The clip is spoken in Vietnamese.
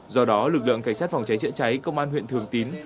do đó lực lượng cảnh sát phòng cháy chữa cháy công an huyện thường tín